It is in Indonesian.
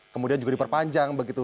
kemudian juga diperpanjang begitu